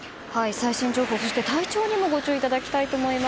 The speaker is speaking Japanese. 最新情報、体調にもご注意いただきたいと思います。